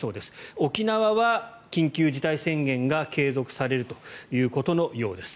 沖縄は緊急事態宣言が継続されるということのようです。